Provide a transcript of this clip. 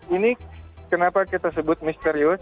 ini kenapa kita sebut misterius